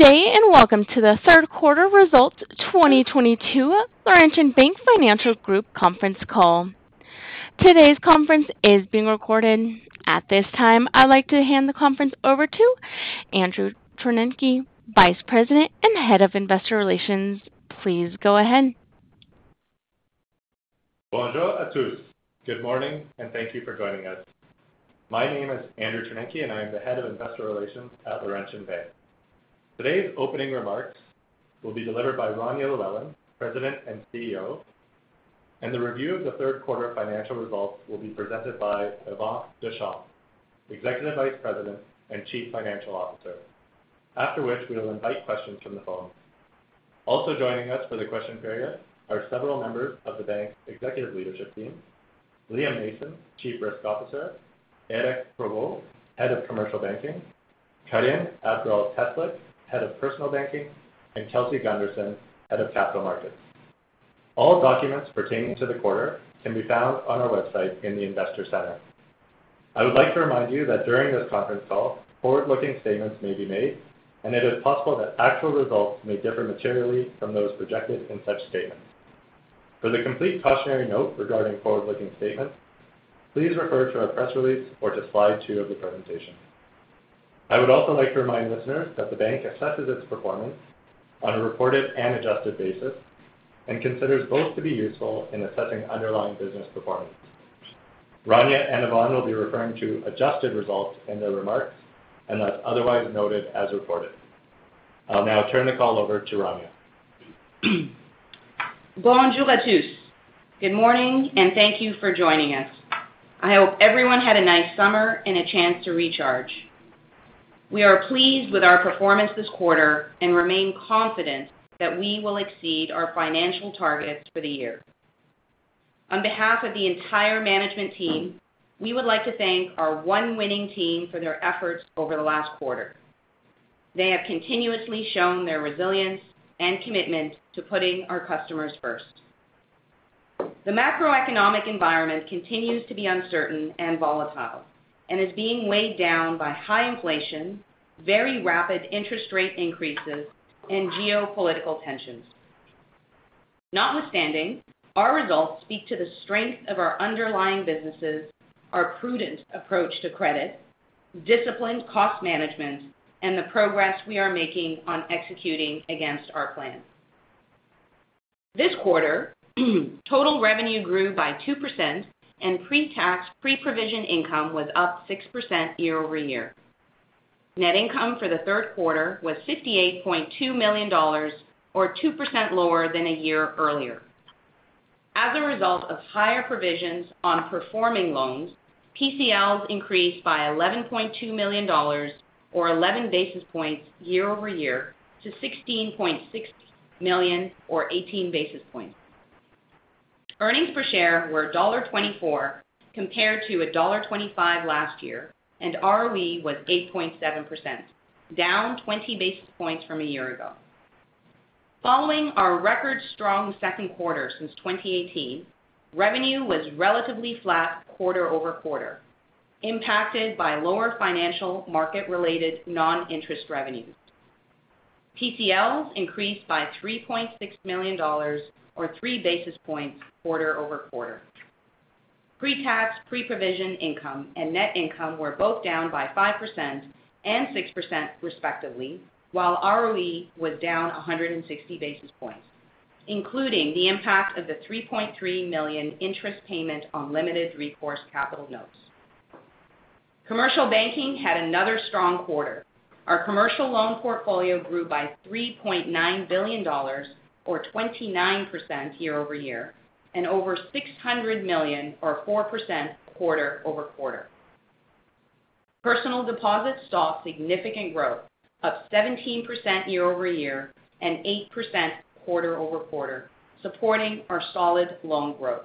Good day, and Welcome to the third quarter results 2022 Laurentian Bank Financial Group conference call. Today's conference is being recorded. At this time, I'd like to hand the conference over to Andrew Chornenky, Vice President and Head of Investor Relations. Please go ahead. Bonjour à tous. Good morning, and thank you for joining us. My name is Andrew Chornenky, and I am the Head of Investor Relations at Laurentian Bank. Today's opening remarks will be delivered by Rania Llewellyn, President and CEO, and the review of the third quarter financial results will be presented by Yvan Deschamps, Executive Vice President and Chief Financial Officer. After which, we will invite questions from the phone. Also joining us for the question period are several members of the bank's executive leadership team, Liam Mason, Chief Risk Officer, Éric Provost, Head of Commercial Banking, Karine Abgrall-Teslyk, Head of Personal Banking, and Kelsey Gunderson, Head of Capital Markets. All documents pertaining to the quarter can be found on our website in the Investor Center. I would like to remind you that during this conference call, forward-looking statements may be made, and it is possible that actual results may differ materially from those projected in such statements. For the complete cautionary note regarding forward-looking statements, please refer to our press release or to slide two of the presentation. I would also like to remind listeners that the bank assesses its performance on a reported and adjusted basis and considers both to be useful in assessing underlying business performance. Rania and Yvon will be referring to adjusted results in their remarks and as otherwise noted as reported. I'll now turn the call over to Rania. Bonjour à tous. Good morning and thank you for joining us. I hope everyone had a nice summer and a chance to recharge. We are pleased with our performance this quarter and remain confident that we will exceed our financial targets for the year. On behalf of the entire management team, we would like to thank our one winning team for their efforts over the last quarter. They have continuously shown their resilience and commitment to putting our customers first. The macroeconomic environment continues to be uncertain and volatile and is being weighed down by high inflation very rapid interest rate increases, and geopolitical tensions. Notwithstanding, our results speak to the strength of our underlying businesses, our prudent approach to credit, disciplined cost management, and the progress we are making on executing against our plan. This quarter, total revenue grew by 2%, and pre-tax, pre-provision income was up 6% year-over-year. Net income for the third quarter was 58.2 million dollars or 2% lower than a year earlier. As a result of higher provisions on performing loans, PCLs increased by 11.2 million dollars or 11 basis points year-over-year to 16.6 million or 18 basis points. Earnings per share were dollar 1.24 compared to dollar 1.25 last year, and ROE was 8.7%, down 20 basis points from a year ago. Following our record strong second quarter since 2018, revenue was relatively flat quarter-over-quarter, impacted by lower financial market-related non-interest revenues. PCLs increased by 3.6 million dollars or 3 basis points quarter-over-quarter. Pre-tax, pre-provision income, and net income were both down by 5% and 6%, respectively, while ROE was down 160 basis points, including the impact of the 3.3 million interest payment on Limited Recourse Capital Notes. Commercial banking had another strong quarter. Our commercial loan portfolio grew by 3.9 billion dollars or 29% year-over-year, and over 600 million or 4% quarter-over-quarter. Personal deposits saw significant growth, up 17% year-over-year and 8% quarter-over-quarter, supporting our solid loan growth.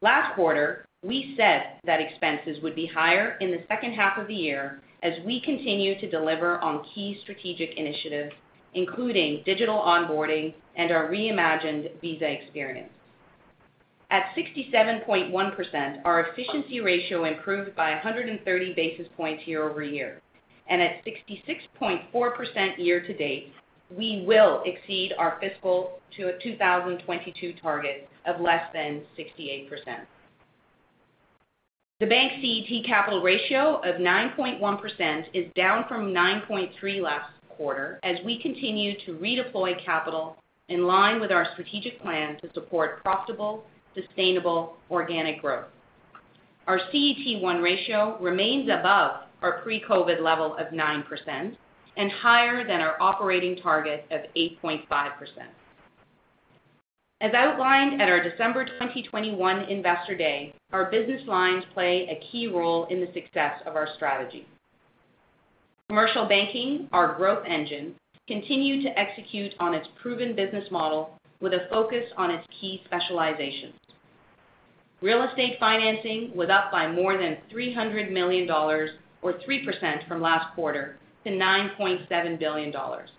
Last quarter, we said that expenses would be higher in the second half of the year as we continue to deliver on key strategic initiatives, including digital onboarding and our reimagined Visa experience. At 67.1%, our efficiency ratio improved by 130 basis points year-over-year, and at 66.4% year to date, we will exceed our fiscal 2022 target of less than 68%. The bank's CET1 capital ratio of 9.1% is down from 9.3% last quarter as we continue to redeploy capital in line with our strategic plan to support profitable, sustainable organic growth. Our CET1 ratio remains above our pre-COVID level of 9% and higher than our operating target of 8.5%. As outlined at our December 2021 Investor Day, our business lines play a key role in the success of our strategy. Commercial banking, our growth engine, continued to execute on its proven business model with a focus on its key specializations. Real estate financing was up by more than 300 million dollars or 3% from last quarter to 9.7 billion dollars.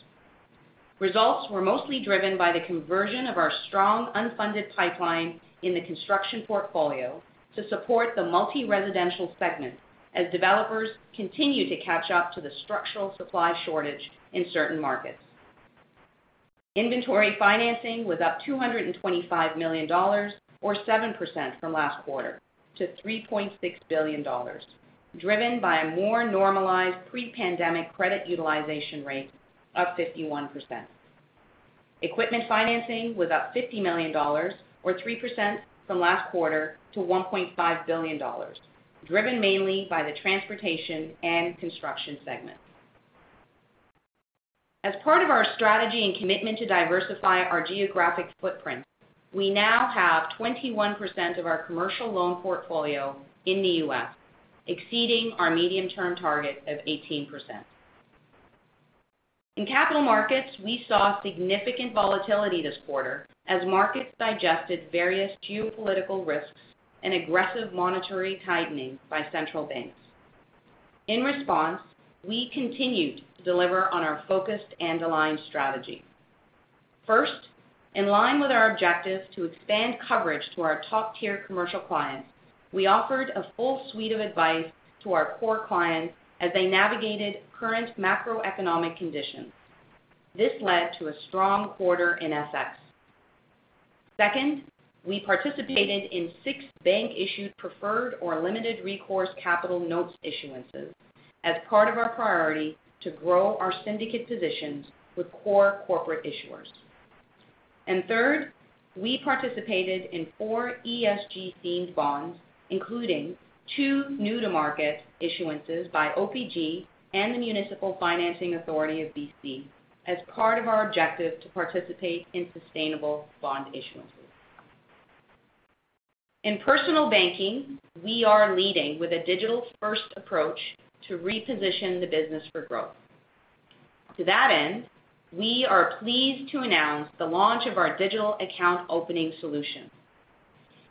Results were mostly driven by the conversion of our strong unfunded pipeline in the construction portfolio to support the multi-residential segment as developers continue to catch up to the structural supply shortage in certain markets. Inventory financing was up 225 million dollars or 7% from last quarter to 3.6 billion dollars, driven by a more normalized pre-pandemic credit utilization rate up 51%. Equipment financing was up 50 million dollars or 3% from last quarter to 1.5 billion dollars, driven mainly by the transportation and construction segments. As part of our strategy and commitment to diversify our geographic footprint, we now have 21% of our commercial loan portfolio in the U.S., exceeding our medium-term target of 18%. In capital markets, we saw significant volatility this quarter as markets digested various geopolitical risks and aggressive monetary tightening by central banks. In response, we continued to deliver on our focused and aligned strategy. First, in line with our objective to expand coverage to our top-tier commercial clients, we offered a full suite of advice to our core clients as they navigated current macroeconomic conditions. This led to a strong quarter in FX. Second, we participated in six bank-issued preferred or Limited Recourse Capital Notes issuances as part of our priority to grow our syndicate positions with core corporate issuers. Third, we participated in four ESG-themed bonds, including two new-to-market issuances by OPG and the Municipal Finance Authority of BC as part of our objective to participate in sustainable bond issuances. In personal banking, we are leading with a digital-first approach to reposition the business for growth. To that end, we are pleased to announce the launch of our digital account opening solution.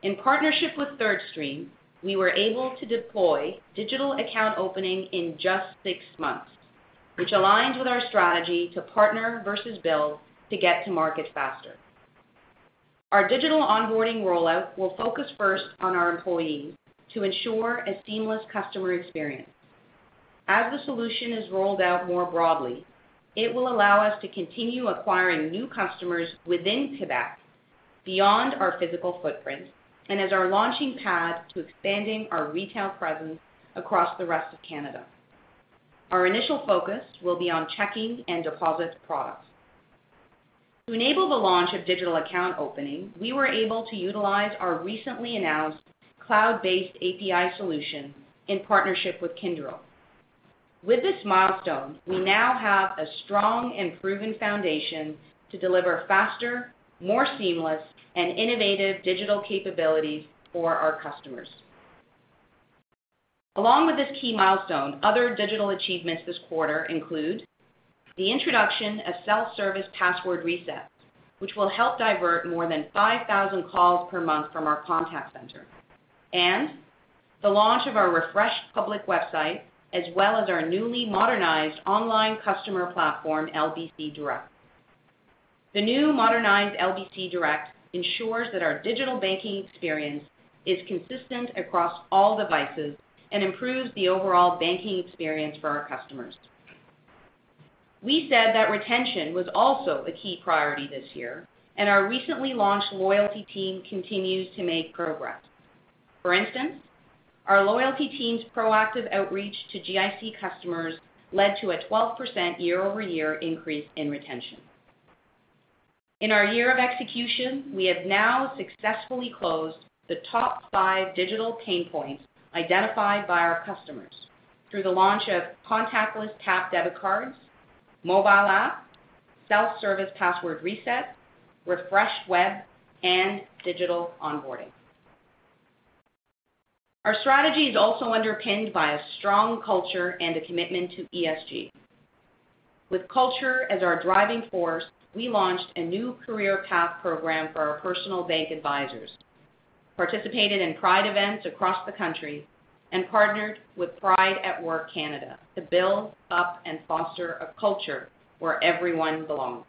In partnership with Thirdstream, we were able to deploy digital account opening in just six months, which aligns with our strategy to partner versus build to get to market faster. Our digital onboarding rollout will focus first on our employees to ensure a seamless customer experience. As the solution is rolled out more broadly, it will allow us to continue acquiring new customers within Quebec beyond our physical footprint and as our launching pad to expanding our retail presence across the rest of Canada. Our initial focus will be on checking and deposit products. To enable the launch of digital account opening, we were able to utilize our recently announced cloud-based API solution in partnership with Kyndryl. With this milestone, we now have a strong and proven foundation to deliver faster, more seamless, and innovative digital capabilities for our customers. Along with this key milestone, other digital achievements this quarter include the introduction of self-service password resets which will help divert more than 5,000 calls per month from our contact center and the launch of our refreshed public website, as well as our newly modernized online customer platform LBC Direct. The new modernized LBC Direct ensures that our digital banking experience is consistent across all devices and improves the overall banking experience for our customers. We said that retention was also a key priority this year, and our recently launched loyalty team continues to make progress. For instance, our loyalty team's proactive outreach to GIC customers led to a 12% year-over-year increase in retention. In our year of execution, we have now successfully closed the top five digital pain points identified by our customers through the launch of contactless tap debit cards, mobile app, self-service password reset, refreshed web, and digital onboarding. Our strategy is also underpinned by a strong culture and a commitment to ESG. With culture as our driving force, we launched a new career path program for our personal bank advisors, participated in Pride events across the country, and partnered with Pride at Work Canada to build up and foster a culture where everyone belongs.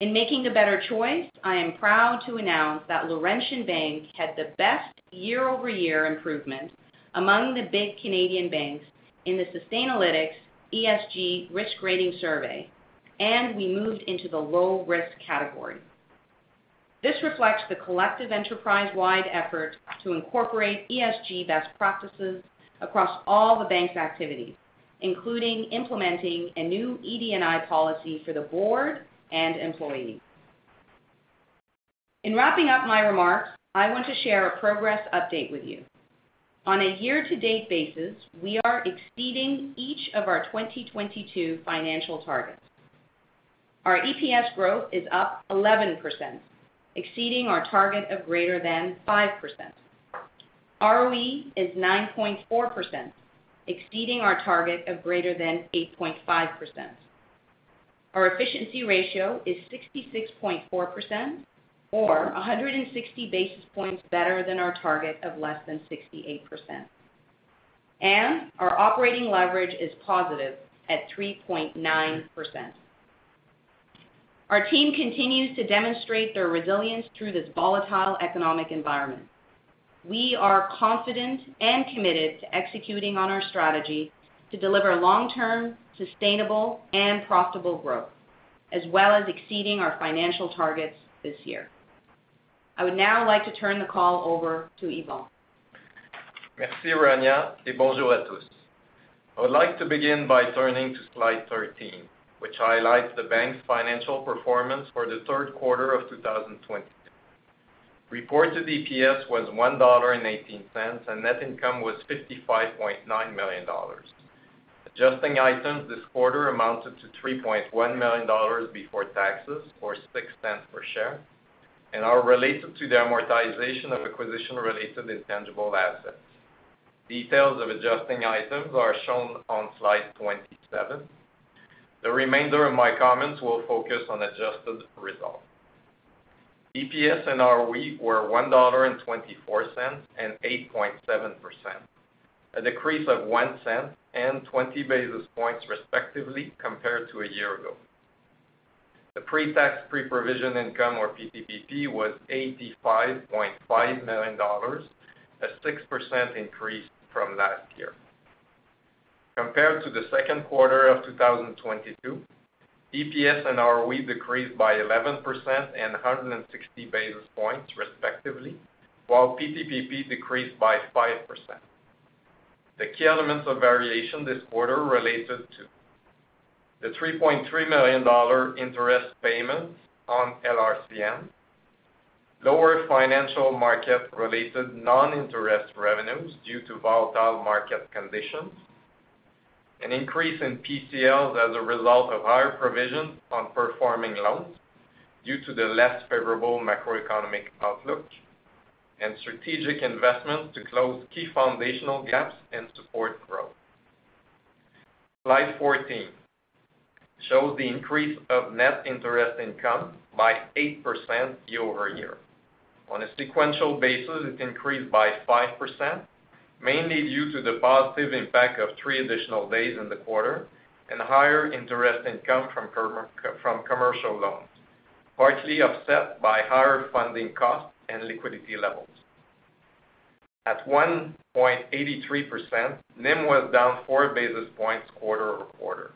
In making a better choice, I am proud to announce that Laurentian Bank had the best year-over-year improvement among the big Canadian banks in the Sustainalytics ESG Risk Rating Survey, and we moved into the low-risk category. This reflects the collective enterprise-wide effort to incorporate ESG best practices across all the bank's activities, including implementing a new ED&I policy for the board and employees. In wrapping up my remarks, I want to share a progress update with you. On a year-to-date basis, we are exceeding each of our 2022 financial targets. Our EPS growth is up 11%, exceeding our target of greater than 5%. ROE is 9.4%, exceeding our target of greater than 8.5%. Our efficiency ratio is 66.4% or 160 basis points better than our target of less than 68%. Our operating leverage is positive at 3.9%. Our team continues to demonstrate their resilience through this volatile economic environment. We are confident and committed to executing on our strategy to deliver long-term, sustainable, and profitable growth, as well as exceeding our financial targets this year. I would now like to turn the call over to Yvan. I would like to begin by turning to slide 13, which highlights the bank's financial performance for the third quarter of 2020. Reported EPS was 1.18 dollar, and net income was 55.9 million dollars. Adjusting items this quarter amounted to 3.1 million dollars before taxes, or 0.06 per share, and are related to the amortization of acquisition-related intangible assets. Details of adjusting items are shown on slide 27. The remainder of my comments will focus on adjusted results. EPS and ROE were CAD 1.24 and 8.7%, a decrease of 0.01 and 20 basis points respectively, compared to a year ago. The Pre-Tax Pre-Provision Income, or PTPP, was 85.5 million dollars, a 6% increase from last year. Compared to the second quarter of 2022, EPS and ROE decreased by 11% and 160 basis points, respectively, while PTPP decreased by 5%. The key elements of variation this quarter related to the 3.3 million dollar interest payments on LRCN, lower financial market-related non-interest revenues due to volatile market conditions, an increase in PCLs as a result of higher provisions on performing loans due to the less favorable macroeconomic outlook, and strategic investments to close key foundational gaps and support growth. Slide 14 shows the increase of net interest income by 8% year-over-year. On a sequential basis, it increased by 5%, mainly due to the positive impact of three additional days in the quarter and higher interest income from commercial loans, partly offset by higher funding costs and liquidity levels. At 1.83%, NIM was down 4 basis points quarter-over-quarter.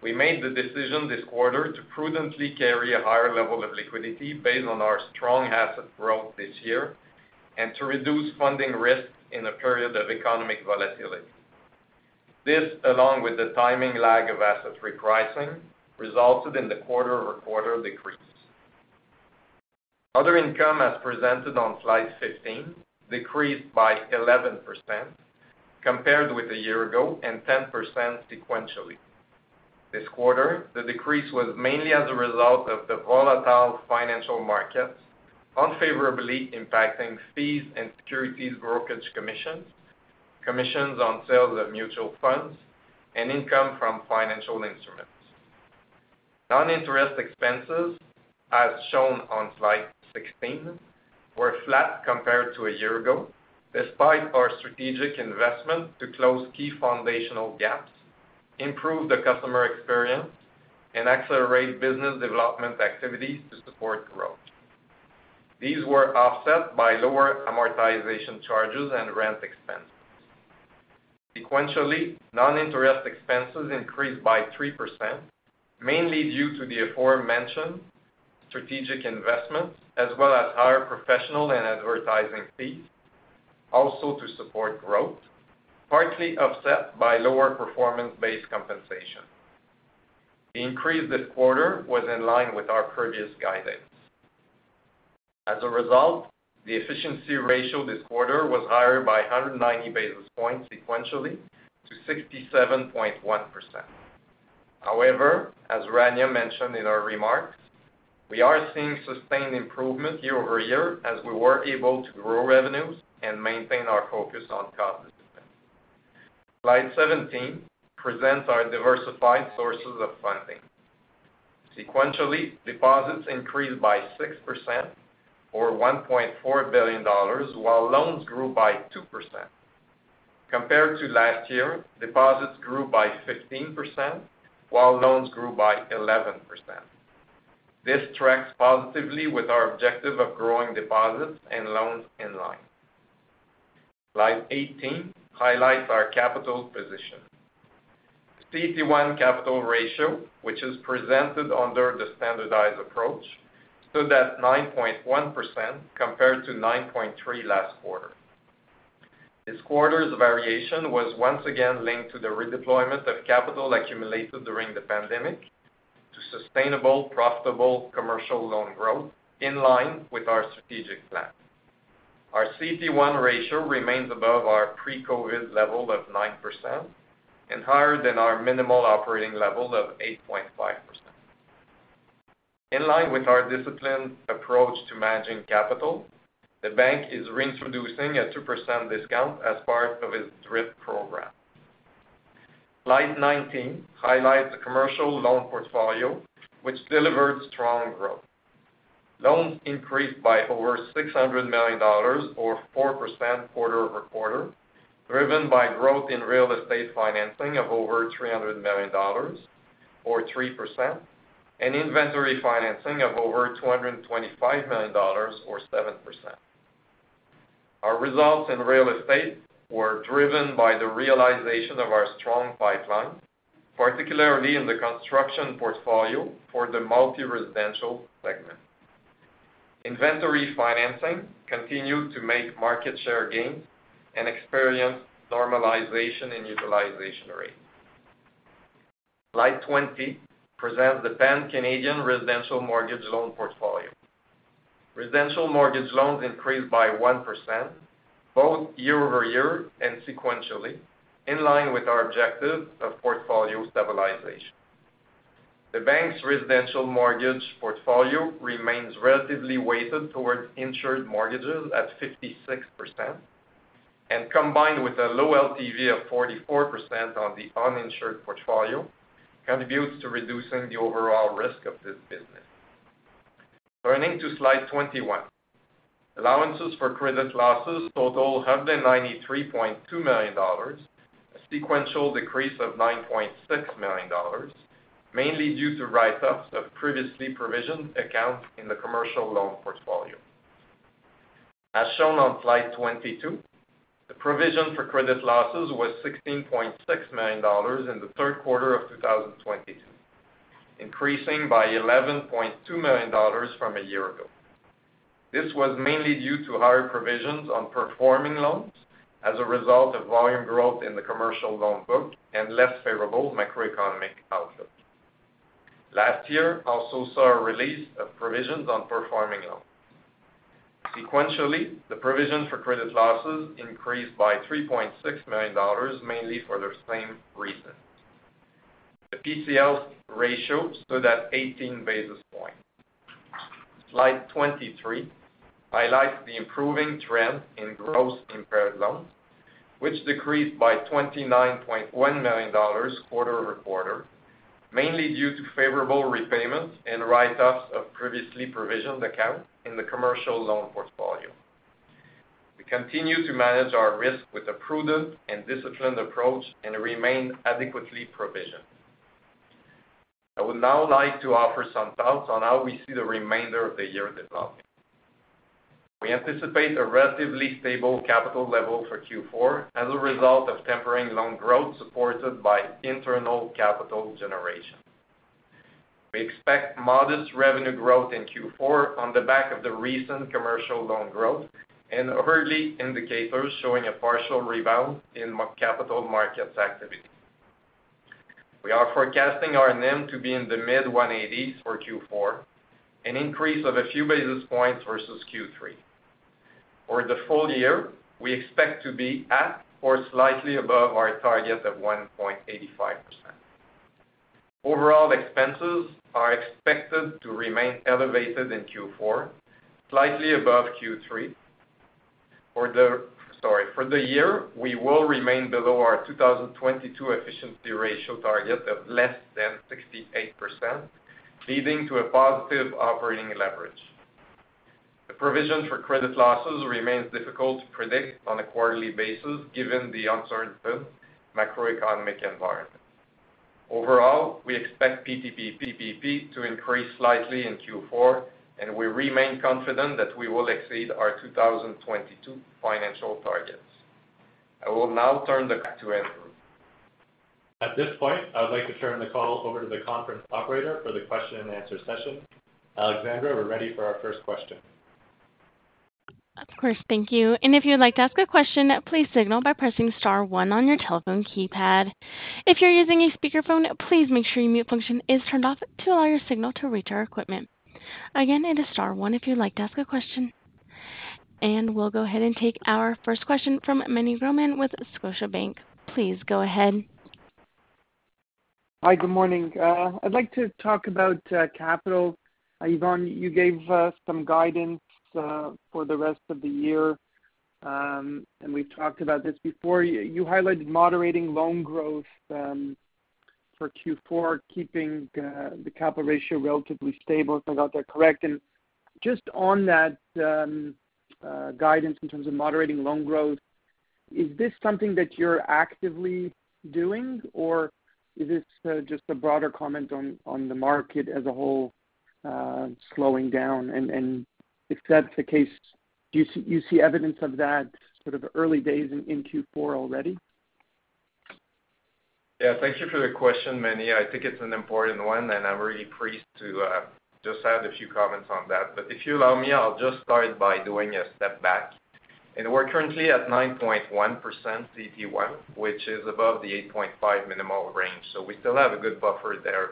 We made the decision this quarter to prudently carry a higher level of liquidity based on our strong asset growth this year and to reduce funding risks in a period of economic volatility. This, along with the timing lag of asset repricing, resulted in the quarter-over-quarter decrease. Other income, as presented on slide 15, decreased by 11% compared with a year ago and 10% sequentially. This quarter, the decrease was mainly as a result of the volatile financial markets unfavorably impacting fees and securities brokerage commissions on sales of mutual funds, and income from financial instruments. Non-interest expenses, as shown on slide 16, were flat compared to a year ago, despite our strategic investment to close key foundational gaps, improve the customer experience, and accelerate business development activities to support growth. These were offset by lower amortization charges and rent expenses. Sequentially, non-interest expenses increased by 3%, mainly due to the aforementioned strategic investments, as well as higher professional and advertising fees, also to support growth, partly offset by lower performance-based compensation. The increase this quarter was in line with our previous guidance. As a result, the efficiency ratio this quarter was higher by 190 basis points sequentially to 67.1%. However, as Rania mentioned in her remarks, we are seeing sustained improvement year-over-year as we were able to grow revenues and maintain our focus on cost discipline. Slide 17 presents our diversified sources of funding. Sequentially, deposits increased by 6% or 1.4 billion dollars while loans grew by 2%. Compared to last year, deposits grew by 15% while loans grew by 11%. This tracks positively with our objective of growing deposits and loans in line. Slide 18 highlights our capital position. CET1 capital ratio, which is presented under the standardized approach, stood at 9.1% compared to 9.3% last quarter. This quarter's variation was once again linked to the redeployment of capital accumulated during the pandemic to sustainable, profitable commercial loan growth in line with our strategic plans. Our CET1 ratio remains above our pre-COVID level of 9% and higher than our minimal operating level of 8.5%. In line with our disciplined approach to managing capital, the bank is reintroducing a 2% discount as part of its DRIP program. Slide 19 highlights the commercial loan portfolio, which delivered strong growth. Loans increased by over 600 million dollars or 4% quarter-over-quarter, driven by growth in real estate financing of over 300 million dollars or 3% and inventory financing of over 225 million dollars or 7%. Our results in real estate were driven by the realization of our strong pipeline, particularly in the construction portfolio for the multi-residential segment. Inventory financing continued to make market share gains and experience normalization in utilization rates. Slide 20 presents the pan-Canadian residential mortgage loan portfolio. Residential mortgage loans increased by 1%, both year-over-year and sequentially, in line with our objective of portfolio stabilization. The bank's residential mortgage portfolio remains relatively weighted towards insured mortgages at 56% and combined with a low LTV of 44% on the uninsured portfolio, contributes to reducing the overall risk of this business. Turning to Slide 21. Allowances for credit losses totaled 193.2 million dollars, a sequential decrease of 9.6 million dollars, mainly due to write-ups of previously provisioned accounts in the commercial loan portfolio. As shown on slide 22, the provision for credit losses was 16.6 million dollars in the third quarter of 2022, increasing by 11.2 million dollars from a year ago. This was mainly due to higher provisions on performing loans as a result of volume growth in the commercial loan book and less favorable macroeconomic outlook. Last year also saw a release of provisions on performing loans. Sequentially, the provision for credit losses increased by 3.6 million dollars, mainly for the same reasons. The PCL ratio stood at 18 basis points. Slide 23 highlights the improving trend in gross impaired loans, which decreased by 29.1 million dollars quarter-over-quarter, mainly due to favorable repayments and write-offs of previously provisioned accounts in the commercial loan portfolio. We continue to manage our risk with a prudent and disciplined approach and remain adequately provisioned. I would now like to offer some thoughts on how we see the remainder of the year developing. We anticipate a relatively stable capital level for Q4 as a result of tempering loan growth supported by internal capital generation. We expect modest revenue growth in Q4 on the back of the recent commercial loan growth and early indicators showing a partial rebound in M&A capital markets activity. We are forecasting NIM to be in the mid-180s for Q4, an increase of a few basis points versus Q3. For the full year, we expect to be at or slightly above our target of 1.85%. Overall expenses are expected to remain elevated in Q4, slightly above Q3. For the year, we will remain below our 2022 efficiency ratio target of less than 68%, leading to a positive operating leverage. The provision for credit losses remains difficult to predict on a quarterly basis given the uncertain macroeconomic environment. Overall, we expect PTPP to increase slightly in Q4, and we remain confident that we will exceed our 2022 financial targets. I will now turn the call to Andrew. At this point, I would like to turn the call over to the conference operator for the question and answer session. Alexandra, we're ready for our first question. Of course. Thank you. If you would like to ask a question, please signal by pressing star one on your telephone keypad. If you're using a speakerphone, please make sure your mute function is turned off to allow your signal to reach our equipment. Again, it is star one if you'd like to ask a question. We'll go ahead and take our first question from Meny Grauman with Scotiabank. Please go ahead. Hi. Good morning. I'd like to talk about capital. Yvan, you gave some guidance for the rest of the year, and we've talked about this before. You highlighted moderating loan growth for Q4, keeping the capital ratio relatively stable. Is that correct? Just on that guidance in terms of moderating loan growth, is this something that you're actively doing, or is this just a broader comment on the market as a whole slowing down? If that's the case, do you see evidence of that sort of early days in Q4 already? Yeah. Thank you for the question, Meny. I think it's an important one, and I'm really pleased to just add a few comments on that. If you allow me, I'll just start by doing a step back. We're currently at 9.1% CET1, which is above the 8.5 minimum range. We still have a good buffer there,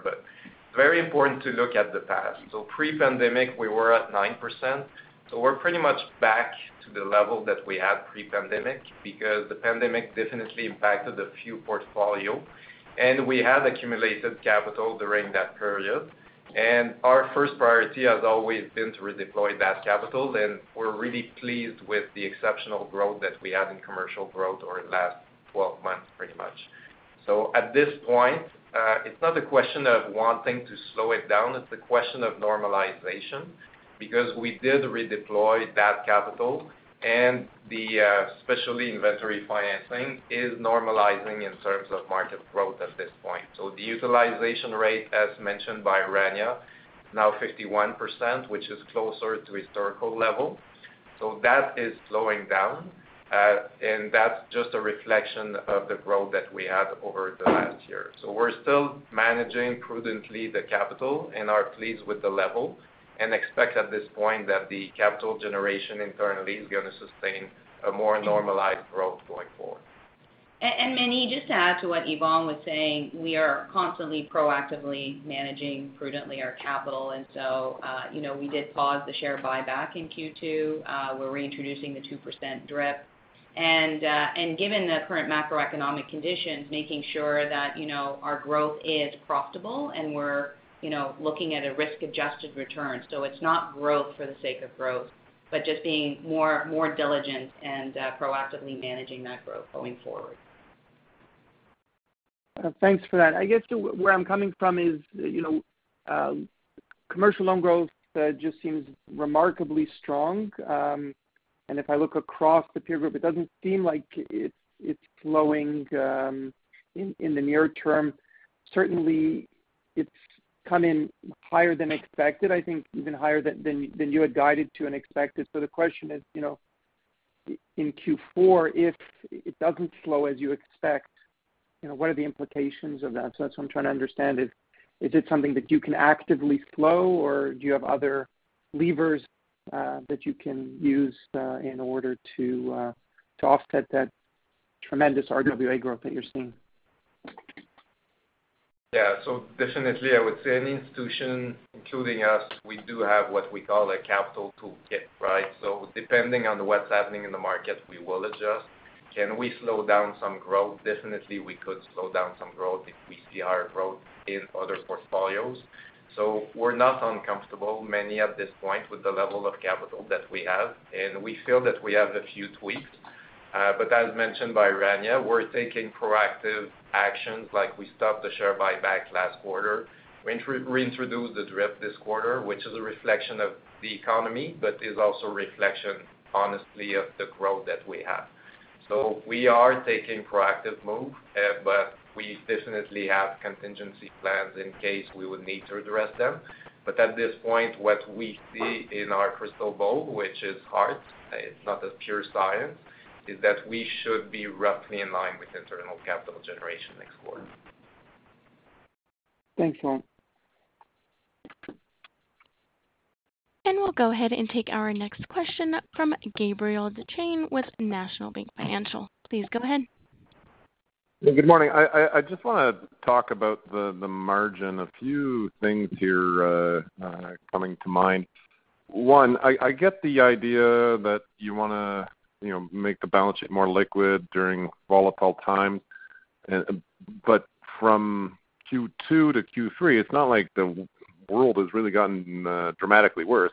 but very important to look at the past. Pre-pandemic, we were at 9%. We're pretty much back to the level that we had pre-pandemic because the pandemic definitely impacted our portfolio, and we had accumulated capital during that period. Our first priority has always been to redeploy that capital, and we're really pleased with the exceptional growth that we had in commercial growth over the last 12 months, pretty much. At this point, it's not a question of wanting to slow it down, it's a question of normalization, because we did redeploy that capital and the specialty inventory financing is normalizing in terms of market growth at this point. The utilization rate, as mentioned by Rania, now 51%, which is closer to historical level. That is slowing down. That's just a reflection of the growth that we had over the last year. We're still managing prudently the capital and are pleased with the level, and expect at this point that the capital generation internally is gonna sustain a more normalized growth going forward. Meny, just to add to what Yvan was saying, we are constantly proactively managing prudently our capital. You know, we did pause the share buyback in Q2. We're reintroducing the 2% DRIP. Given the current macroeconomic conditions, making sure that, you know, our growth is profitable and we're, you know, looking at a risk-adjusted return. It's not growth for the sake of growth but just being more diligent and proactively managing that growth going forward. Thanks for that. I guess where I'm coming from is, you know, commercial loan growth just seems remarkably strong. If I look across the peer group, it doesn't seem like it's slowing in the near term. Certainly, it's come in higher than expected, I think even higher than you had guided to and expected. The question is, you know, in Q4, if it doesn't slow as you expect, you know, what are the implications of that? That's what I'm trying to understand. Is it something that you can actively slow, or do you have other levers that you can use in order to offset that tremendous RWA growth that you're seeing? Yeah. Definitely I would say any institution, including us, we do have what we call a capital toolkit, right? Depending on what's happening in the market, we will adjust. Can we slow down some growth? Definitely, we could slow down some growth if we see higher growth in other portfolios. We're not uncomfortable, Meny, at this point with the level of capital that we have, and we feel that we have a few tweaks. As mentioned by Rania, we're taking proactive actions, like we stopped the share buyback last quarter. We reintroduced the DRIP this quarter, which is a reflection of the economy, but is also a reflection, honestly, of the growth that we have. We are taking proactive move; we definitely have contingency plans in case we would need to address them. At this point, what we see in our crystal ball, which is hard, it's not a pure science, is that we should be roughly in line with internal capital generation next quarter. Thanks a lot. We'll go ahead and take our next question from Gabriel Dechaine with National Bank Financial. Please go ahead. Yeah. Good morning. I just wanna talk about the margin. A few things here coming to mind. One, I get the idea that you wanna, you know, make the balance sheet more liquid during volatile times. But from Q2 to Q3, it's not like the world has really gotten dramatically worse.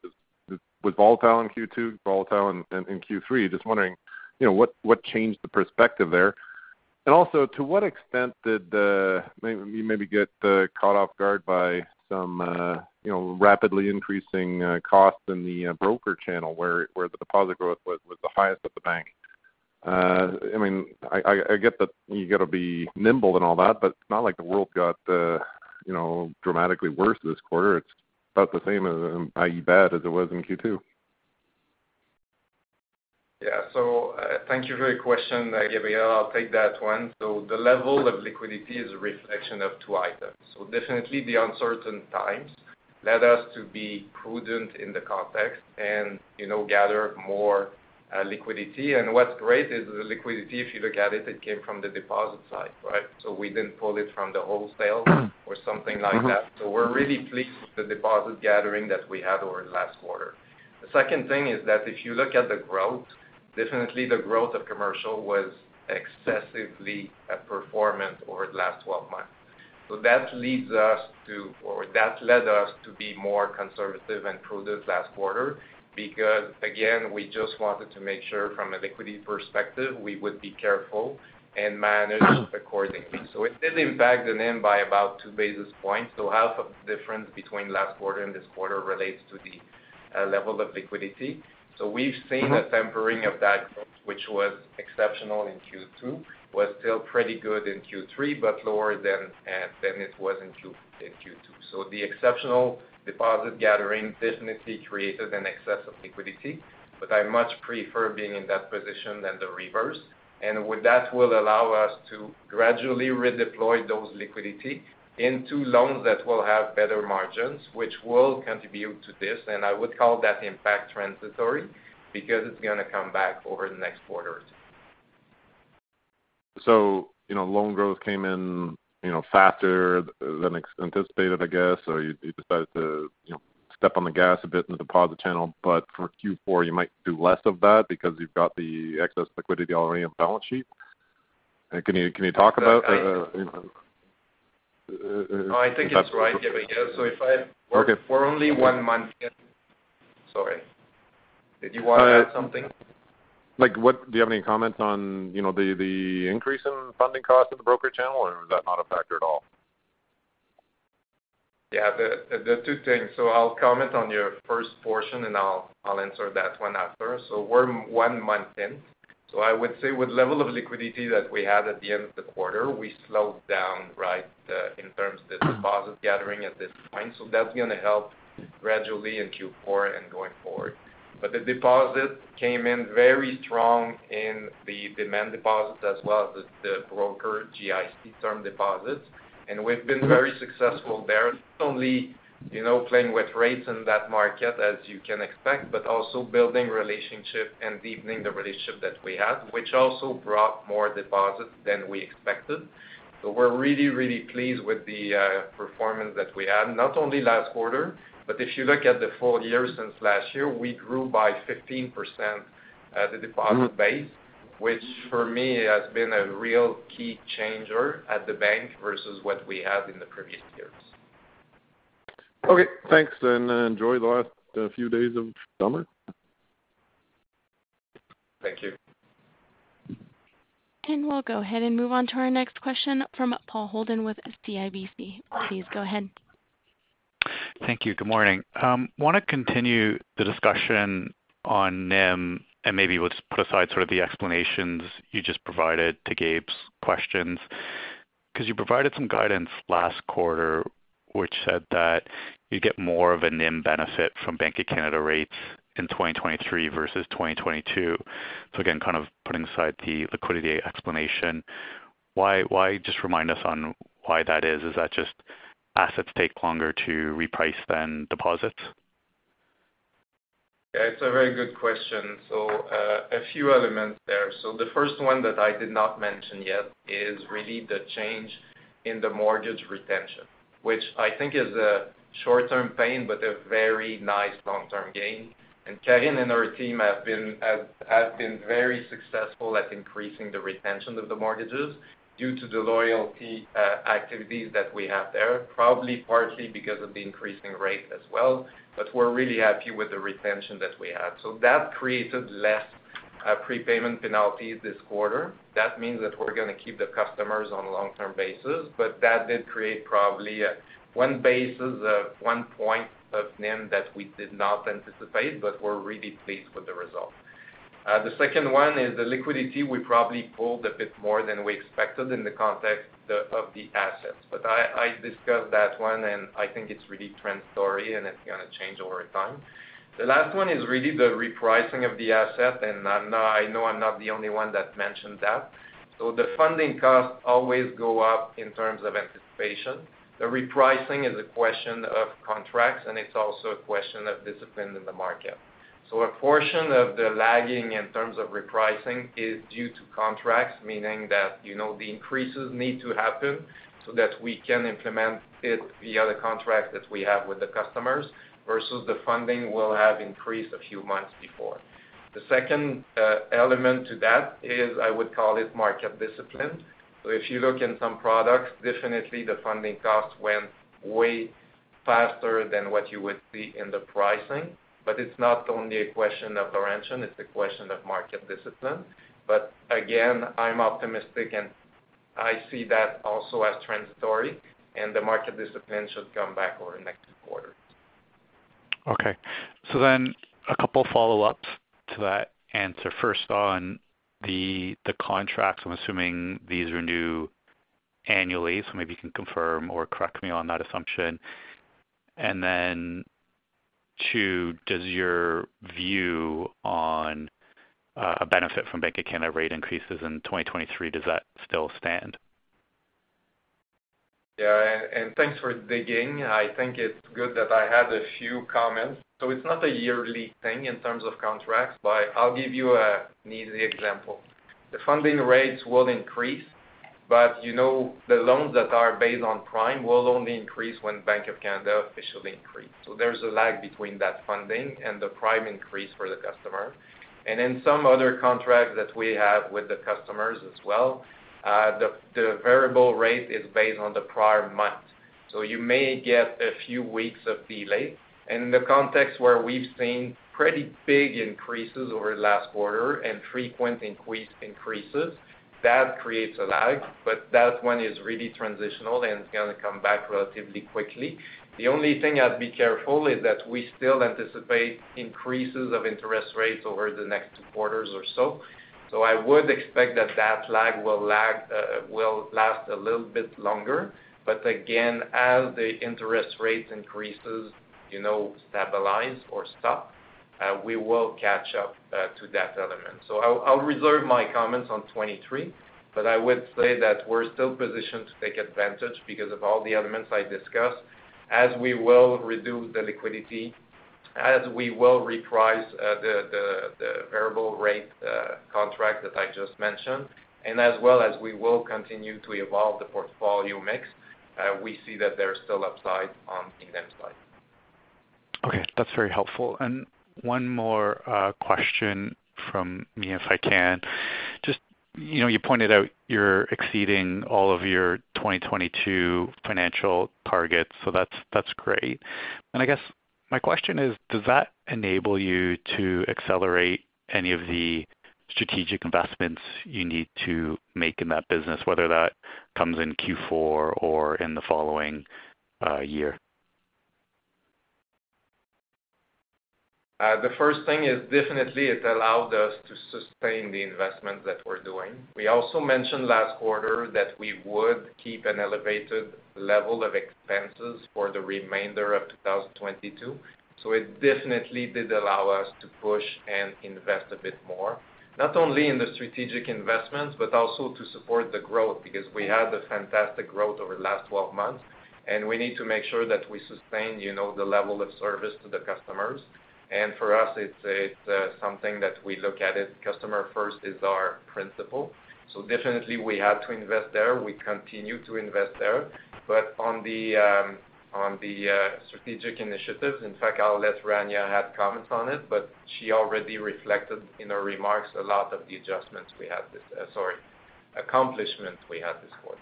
It was volatile in Q2 volatile in Q3. Just wondering, you know, what changed the perspective there? Also, to what extent did maybe get caught off guard by some, you know, rapidly increasing costs in the broker channel where the deposit growth was the highest at the bank. I mean, I get that you gotta be nimble and all that, but it's not like the world got, you know, dramatically worse this quarter.It's about the same as, i.e., bad as it was in Q2. Yeah. Thank you for your question, Gabriel. I'll take that one. The level of liquidity is a reflection of two items. Definitely the uncertain times led us to be prudent in the context and, you know, gather more liquidity. What's great is the liquidity, if you look at it came from the deposit side, right? We didn't pull it from the wholesale or something like that. We're really pleased with the deposit gathering that we had over last quarter. The second thing is that if you look at the growth, definitely the growth of commercial was excessively performant over the last 12 months. That leads us to or that led us to be more conservative and prudent last quarter because again, we just wanted to make sure from a liquidity perspective we would be careful and manage accordingly. It did impact the NIM by about two basis points. Half of the difference between last quarter and this quarter relates to the level of liquidity. We've seen a tempering of that growth, which was exceptional in Q2, was still pretty good in Q3, but lower than it was in Q2. The exceptional deposit gathering definitely created an excess of liquidity, but I much prefer being in that position than the reverse. With that will allow us to gradually redeploy those liquidity into loans that will have better margins, which will contribute to this. I would call that impact transitory because it's gonna come back over the next quarters. You know, loan growth came in, you know, faster than anticipated, I guess. You decided to, you know, step on the gas a bit in the deposit channel. For Q4, you might do less of that because you've got the excess liquidity already on balance sheet. Can you talk about I think it's right. Yeah, but yeah. If I work for only one month. Sorry. Did you wanna add something? Like, do you have any comments on, you know, the increase in funding costs of the broker channel, or is that not a factor at all? Yeah. The two things. I'll comment on your first portion, and I'll answer that one after. We're one month in. I would say with level of liquidity that we had at the end of the quarter, we slowed down, right, in terms of the deposit gathering at this point. That's gonna help gradually in Q4 and going forward. The deposit came in very strong in the demand deposits as well as the broker GIC term deposits. We've been very successful there, not only, you know, playing with rates in that market as you can expect, but also building relationship and deepening the relationship that we have, which also brought more deposits than we expected. We're really, really pleased with the performance that we had, not only last quarter but if you look at the full year since last year, we grew by 15%, the deposit base, which for me has been a real key changer at the bank versus what we had in the previous years. Okay, thanks, and enjoy the last few days of summer. Thank you. We'll go ahead and move on to our next question from Paul Holden with CIBC. Please go ahead. Thank you. Good morning. Wanna continue the discussion on NIM and maybe we'll put aside sort of the explanations you just provided to Gabe's questions, 'cause you provided some guidance last quarter which said that you get more of a NIM benefit from Bank of Canada rates in 2023 versus 2022. Again, kind of putting aside the liquidity explanation, why just remind us on why that is. Is that just assets take longer to reprice than deposits? Yeah. It's a very good question. A few elements there. The first one that I did not mention yet is really the change in the mortgage retention, which I think is a short-term pain, but a very nice long-term gain. Karin and her team have been very successful at increasing the retention of the mortgages due to the loyalty activities that we have there, probably partly because of the increasing rate as well, but we're really happy with the retention that we had. That created less prepayment penalty this quarter. That means that we're gonna keep the customers on a long-term basis, but that did create probably one basis point of NIM that we did not anticipate, but we're really pleased with the result. The second one is the liquidity. We probably pulled a bit more than we expected in the context of the assets, but I discussed that one, and I think it's really transitory, and it's gonna change over time. The last one is really the repricing of the asset, and I know I'm not the only one that mentioned that. The funding costs always go up in terms of anticipation. The repricing is a question of contracts, and it's also a question of discipline in the market. A portion of the lagging in terms of repricing is due to contracts, meaning that, you know, the increases need to happen so that we can implement it via the contract that we have with the customers versus the funding will have increased a few months before. The second element to that is I would call it market discipline. If you look in some products, definitely the funding costs went way faster than what you would see in the pricing, but it's not only a question of duration, it's a question of market discipline. Again, I'm optimistic, and I see that also as transitory, and the market discipline should come back over the next quarter. Okay. A couple follow-ups to that answer. First on the contracts, I'm assuming these renew annually, so maybe you can confirm or correct me on that assumption. Two, does your view on a benefit from Bank of Canada rate increases in 2023, does that still stand? Yeah. Thanks for digging. I think it's good that I had a few comments. It's not a yearly thing in terms of contracts, but I'll give you an easy example. The funding rates will increase, but you know the loans that are based on Prime will only increase when Bank of Canada officially increases. There's a lag between that funding and the Prime increase for the customer. Then some other contracts that we have with the customers as well, the variable rate is based on the prior month. You may get a few weeks of delay. In the context where we've seen pretty big increases over the last quarter and frequent increases, that creates a lag, but that one is really transitional, and it's gonna come back relatively quickly. The only thing I'd be careful is that we still anticipate increases of interest rates over the next quarters or so. I would expect that lag will last a little bit longer. Again, as the interest rates increases, you know, stabilize or stop, we will catch up to that element. I'll reserve my comments on 2023, but I would say that we're still positioned to take advantage because of all the elements I discussed, as we will reduce the liquidity, as we will reprice the variable rate contract that I just mentioned. As well as we will continue to evolve the portfolio mix, we see that there's still upside on the NIM side. Okay, that's very helpful. One more question from me, if I can. Just, you know, you pointed out you're exceeding all of your 2022 financial targets, so that's great. I guess my question is, does that enable you to accelerate any of the strategic investments you need to make in that business, whether that comes in Q4 or in the following year? The first thing is definitely it allowed us to sustain the investment that we're doing. We also mentioned last quarter that we would keep an elevated level of expenses for the remainder of 2022. It definitely did allow us to push and invest a bit more, not only in the strategic investments, but also to support the growth, because we had a fantastic growth over the last 12 months, and we need to make sure that we sustain, you know, the level of service to the customers. For us, it's something that we look at it, customer first is our principle. Definitely we had to invest there. We continue to invest there. On the strategic initiatives, in fact, I'll let Rania add comments on it, but she already reflected in her remarks a lot of the accomplishments we had this quarter.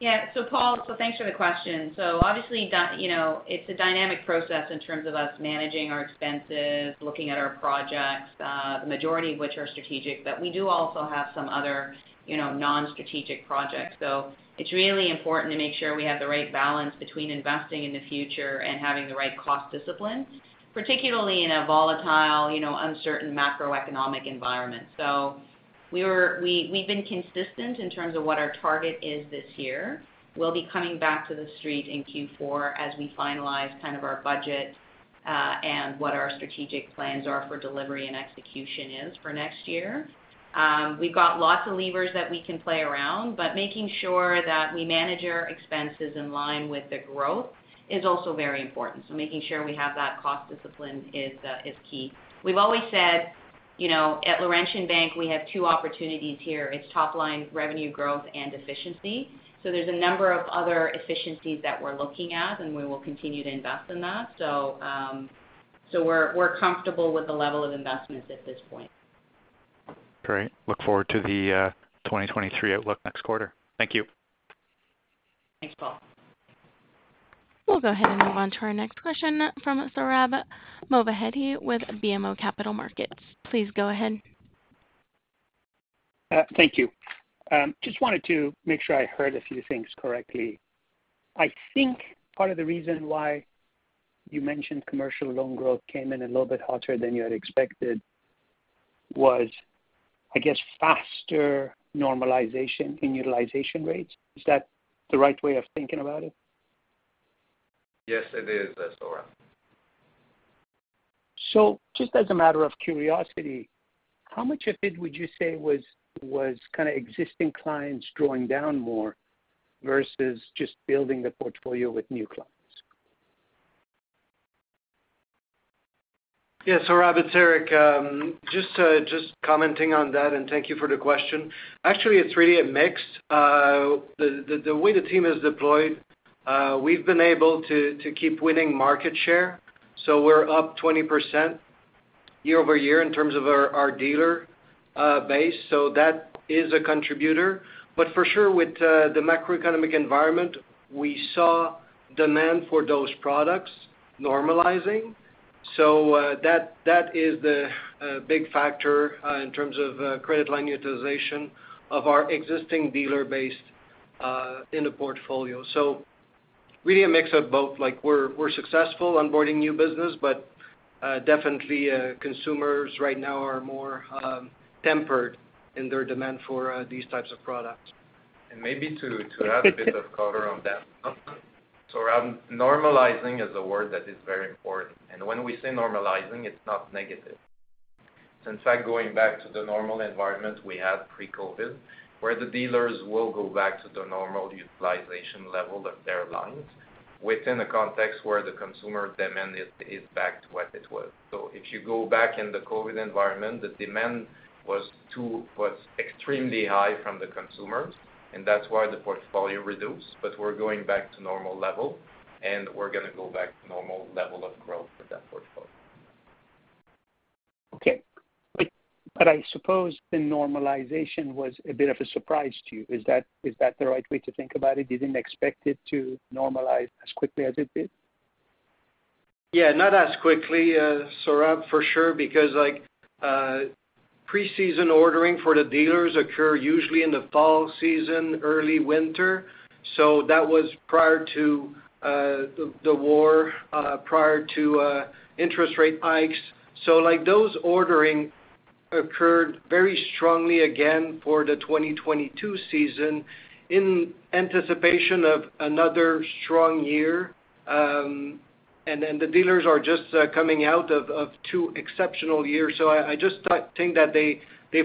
Yeah. Paul, thanks for the question. Obviously, you know, it's a dynamic process in terms of us managing our expenses, looking at our projects, the majority of which are strategic, but we do also have some other, you know, non-strategic projects. It's really important to make sure we have the right balance between investing in the future and having the right cost discipline, particularly in a volatile, you know, uncertain macroeconomic environment. We've been consistent in terms of what our target is this year. We'll be coming back to the street in Q4 as we finalize kind of our budget, and what our strategic plans are for delivery and execution is for next year. We've got lots of levers that we can play around, but making sure that we manage our expenses in line with the growth is also very important. Making sure we have that cost discipline is key. We've always said, you know, at Laurentian Bank, we have two opportunities here. It's top line revenue growth and efficiency. There's a number of other efficiencies that we're looking at, and we will continue to invest in that. We're comfortable with the level of investments at this point. Great. Look forward to the 2023 outlook next quarter. Thank you. Thanks, Paul. We'll go ahead and move on to our next question from Sohrab Movahedi with BMO Capital Markets. Please go ahead. Thank you. Just wanted to make sure I heard a few things correctly. I think part of the reason why you mentioned commercial loan growth came in a little bit hotter than you had expected was, I guess, faster normalization in utilization rates. Is that the right way of thinking about it? Yes, it is, Sohrab. Just as a matter of curiosity, how much of it would you say was kind existing clients drawing down more versus just building the portfolio with new clients? Yeah, Sohrab, it's Éric. Just commenting on that, and thank you for the question. Actually, it's really a mix. The way the team is deployed, we've been able to keep winning market share. We're up 20% year-over-year in terms of our dealer base. That is a contributor. For sure, with the macroeconomic environment, we saw demand for those products normalizing. That is the big factor in terms of credit line utilization of our existing dealer base in the portfolio. Really a mix of both. Like we're successful onboarding new business, but definitely consumers right now are more tempered in their demand for these types of products. Maybe to add a bit of color on that. Sohrab, normalizing is a word that is very important. When we say normalizing, it's not negative. It's in fact going back to the normal environment we had pre-COVID, where the dealers will go back to the normal utilization level of their lines within a context where the consumer demand is back to what it was. If you go back in the COVID environment, the demand was extremely high from the consumers, and that's why the portfolio reduced. We're going back to normal level, and we're gonna go back to normal level of growth for that portfolio. Okay. I suppose the normalization was a bit of a surprise to you. Is that the right way to think about it? You didn't expect it to normalize as quickly as it did? Yeah. Not as quickly, Sohrab, for sure, because like, pre-season ordering for the dealers occur usually in the fall season, early winter. That was prior to the war, prior to interest rate hikes. Like those ordering occurred very strongly again for the 2022 season in anticipation of another strong year. And then the dealers are just coming out of two exceptional years. I just think that they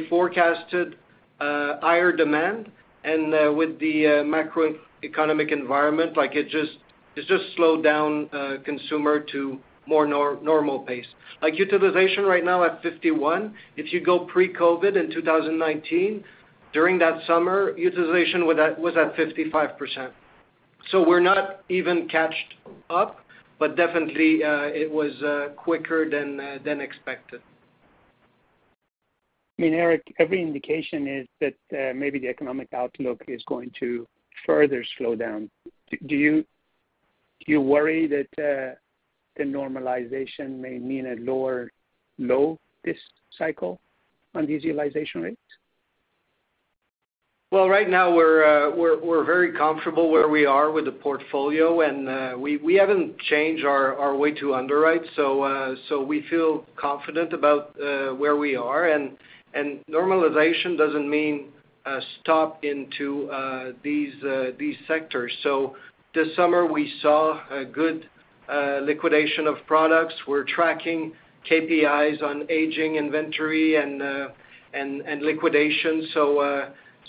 forecasted higher demand, and with the macroeconomic environment, like it just slowed down consumer to more normal pace. Like utilization right now at 51%, if you go pre-COVID in 2019, during that summer, utilization was at 55%. We're not even caught up, but definitely it was quicker than expected. I mean, Éric, every indication is that maybe the economic outlook is going to further slow down. Do you worry that the normalization may mean a lower low this cycle on the utilization rates? Well, right now we're very comfortable where we are with the portfolio and we haven't changed our way to underwrite. We feel confident about where we are and normalization doesn't mean a stop into these sectors. This summer we saw a good liquidation of products. We're tracking KPIs on aging inventory and liquidation.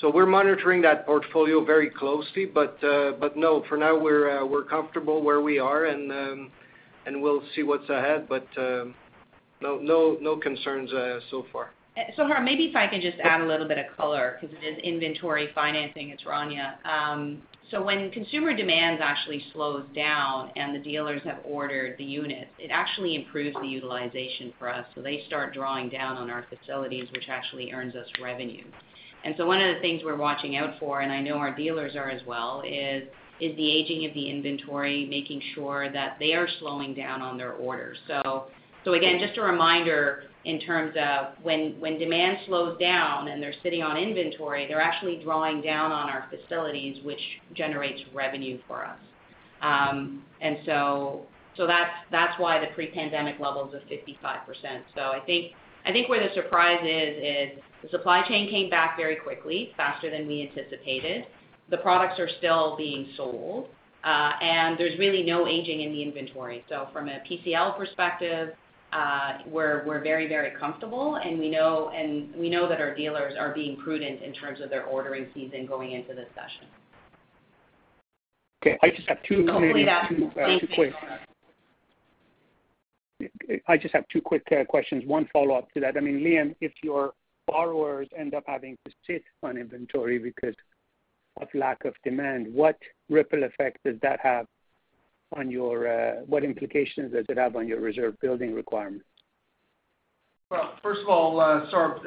We're monitoring that portfolio very closely. For now we're comfortable where we are and we'll see what's ahead. No concerns so far. Sohrab, maybe if I can just add a little bit of color because it is inventory financing. It's Rania. When consumer demand actually slows down and the dealers have ordered the units, it actually improves the utilization for us. They start drawing down on our facilities, which actually earns us revenue. One of the things we're watching out for, and I know our dealers are as well, is the aging of the inventory, making sure that they are slowing down on their orders. Again, just a reminder in terms of when demand slows down and they're sitting on inventory, they're actually drawing down on our facilities, which generates revenue for us. That's why the pre-pandemic levels of 55%. I think where the surprise is the supply chain came back very quickly, faster than we anticipated. The products are still being sold, and there's really no aging in the inventory. From a PCL perspective, we're very, very comfortable, and we know that our dealers are being prudent in terms of their ordering season going into this session. Okay. I just have two- Hopefully that- I just have two quick questions. One follow-up to that. I mean, Liam, if your borrowers end up having to sit on inventory because of lack of demand, what implications does it have on your reserve building requirements? Well, first of all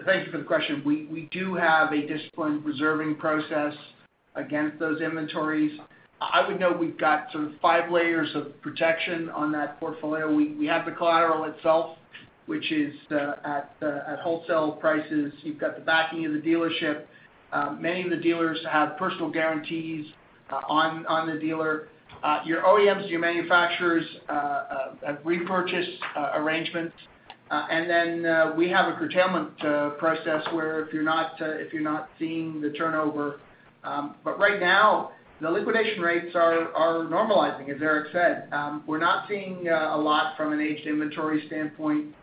thank you for the question. We do have a disciplined reserving process against those inventories. You know we've got sort of five layers of protection on that portfolio. We have the collateral itself, which is at wholesale prices. You've got the backing of the dealership. Many of the dealers have personal guarantees on the dealer. Your OEMs, your manufacturers have repurchased arrangements. Then we have a curtailment process where if you're not seeing the turnover. Right now, the liquidation rates are normalizing, as Éric Provost said. We're not seeing a lot from an aged inventory standpoint.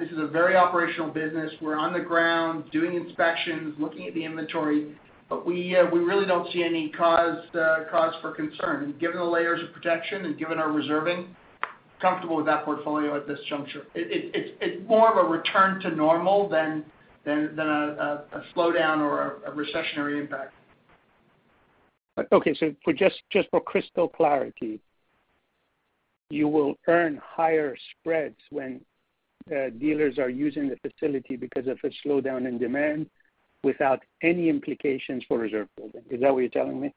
This is a very operational business. We're on the ground doing inspections, looking at the inventory, but we really don't see any cause for concern. Given the layers of protection and given our reserving, comfortable with that portfolio at this juncture. It's more of a return to normal than a slowdown or a recessionary impact. Okay. For just crystal clarity, you will earn higher spreads when dealers are using the facility because of a slowdown in demand without any implications for reserve building. Is that what you're telling me?